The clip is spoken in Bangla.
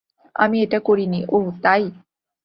আমি এটা করি নি - ওহ, তাই?